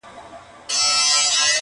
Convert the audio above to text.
وړانګي ته په تمه چي زړېږم ته به نه ژاړې؛